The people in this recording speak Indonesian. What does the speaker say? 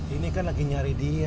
ini kan lagi nyari dia